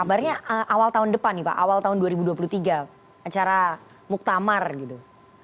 kabarnya awal tahun depan nih pak awal tahun dua ribu dua puluh tiga acara muktamar gitu